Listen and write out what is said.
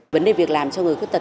vấn đề việc làm cho người khuất tật